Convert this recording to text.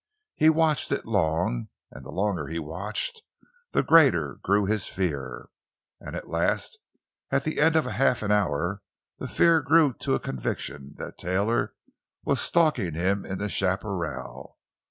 He watched it long, and the longer he watched, the greater grew his fear. And at last, at the end of half an hour, the fear grew to a conviction that Taylor was stalking him in the chaparral.